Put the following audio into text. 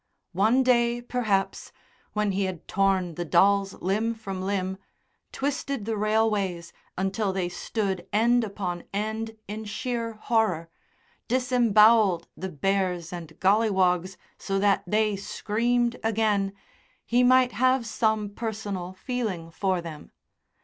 One day, perhaps when he had torn the dolls limb from limb, twisted the railways until they stood end upon end in sheer horror, disembowelled the bears and golliwogs so that they screamed again, he might have some personal feeling for them.